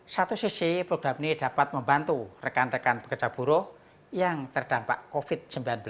satu sisi program ini dapat membantu rekan rekan pekerja buruh yang terdampak covid sembilan belas